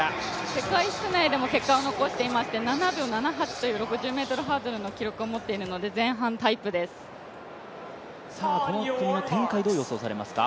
世界室内でも結果を残していまして７秒７８という、５０ｍハードルの記録を持っているのでこの組の展開、どう予想されますか？